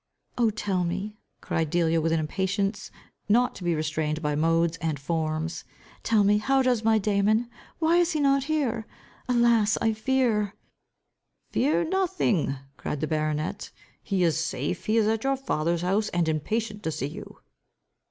"Oh, tell me," cried Delia, with an impatience not to be restrained by modes and forms, "tell me, how does my Damon? Why is he not here? Alas, I fear" "Fear nothing," cried the baronet. "He is safe. He is at your father's house, and impatient to see you."